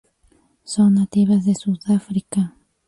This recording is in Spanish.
Son nativas de Sudáfrica.